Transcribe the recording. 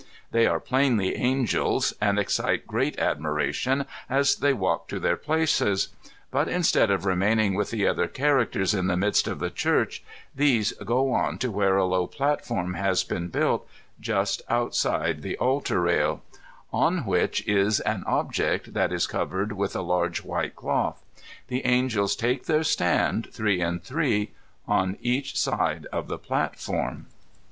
They are plainly angds, and exdte great admiration as they walk to their places; but instead of remaining with the other characters in the midst of the church, these go on to where a low plat form has been built, just outside the altar rail, on which is an object that is covered with a large white doth. The angels take their stand, three and three, on each side of the platform.